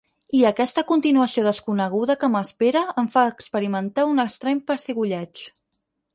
I aquesta continuació desconeguda que m'espera em fa experimentar un estrany pessigolleig.